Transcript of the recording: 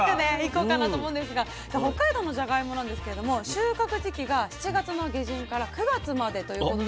さあ北海道のじゃがいもなんですけれども収穫時期が７月の下旬から９月までということで。